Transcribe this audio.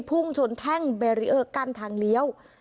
พุ่งชนแท่งกั้นทางเลี้ยว